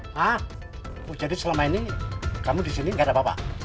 hah jadi selama ini kamu di sini enggak ada apa apa